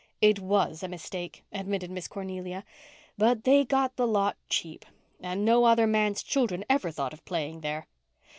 "It was a mistake," admitted Miss Cornelia. "But they got the lot cheap. And no other manse children ever thought of playing there.